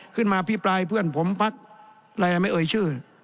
ขึ้นมาพี่ปลายเพื่อนผมพักอะไรอะไรไม่เอ่ยชื่อ